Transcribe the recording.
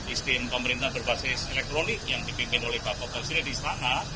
istimewa pemerintahan berbasis elektronik yang dipimpin oleh bapak presiden di sana